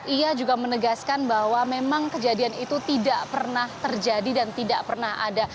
ia juga menegaskan bahwa memang kejadian itu tidak pernah terjadi dan tidak pernah ada